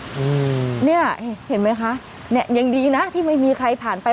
อืมเนี่ยเห็นไหมคะเนี่ยยังดีนะที่ไม่มีใครผ่านไป